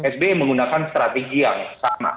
sbi menggunakan strategi yang sama